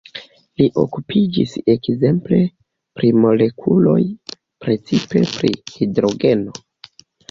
Li okupiĝis ekzemple pri molekuloj, precipe pri hidrogeno.